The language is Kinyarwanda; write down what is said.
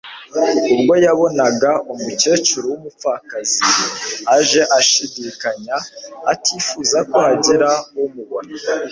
ubwo yabonaga umucyecuru w'umupfakazi aje ashidikanya atifuza ko hagira umubona.